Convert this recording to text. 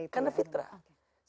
karena fitrah ya itu